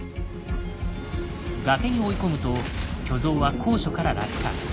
崖に追い込むと巨像は高所から落下。